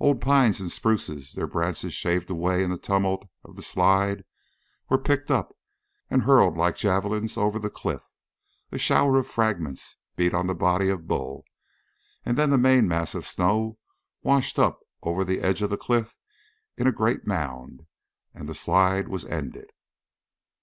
Old pines and spruces, their branches shaved away in the tumult of the slide, were picked up and hurled like javelins over the cliff; a shower of fragments beat on the body of Bull; and then the main mass of snow washed up over the edge of the cliff in a great mound, and the slide was ended.